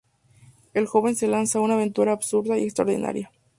El joven se lanza a una aventura absurda y extraordinaria.